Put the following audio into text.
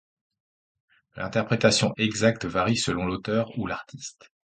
L'interprétation exacte varie selon l'auteur ou l'artiste.